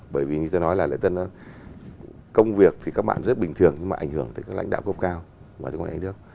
bởi vì như tôi nói là lễ dân công việc thì các bạn rất bình thường nhưng mà ảnh hưởng tới các lãnh đạo cộng cao ngoài nước ngoài nước